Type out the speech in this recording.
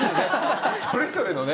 それぞれのね